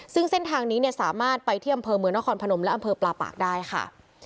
ซึ่งเส้นทางนี้สามารถไปที่อำเภอเมืองนครพนมและอำเภอปลาปากได้ค่ะ